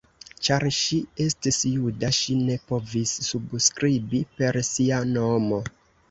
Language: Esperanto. Ĉar ŝi estis juda ŝi ne povis subskribi per sia nomo.